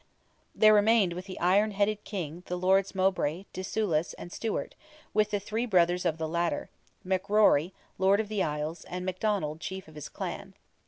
There remained with the iron headed King the Lords Moubray, de Soulis, and Stewart, with the three brothers of the latter; MacRory, lord of the Isles, and McDonald, chief of his clan.